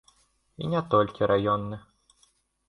І не толькі раённы.